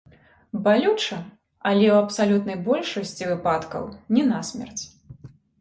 Балюча, але ў абсалютнай большасці выпадкаў не насмерць.